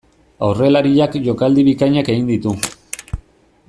Aurrelariak jokaldi bikainak egin ditu.